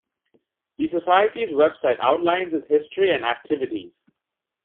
The society's website outlines its history and activities.